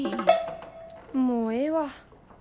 もうええわ。